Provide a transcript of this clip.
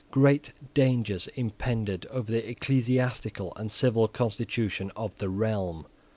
Great dangers impended over the ecclesiastical and civil constitution of the realm.